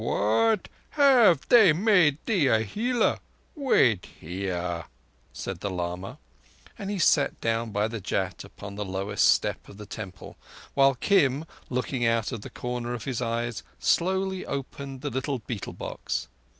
"What! Have they made thee a healer? Wait here," said the lama, and he sat down by the Jat upon the lowest step of the temple, while Kim, looking out of the corner of his eyes, slowly opened the little betel box.